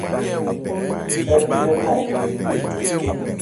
Ɛ li nnɛn nɔn ?